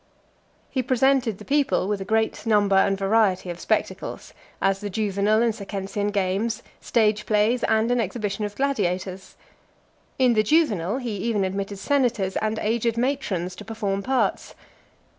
(344) XI. He presented the people with a great number and variety of spectacles, as the Juvenal and Circensian games, stage plays, and an exhibition of gladiators. In the Juvenal, he even admitted senators and aged matrons to perform parts.